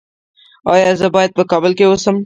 ایا زه باید په کابل کې اوسم؟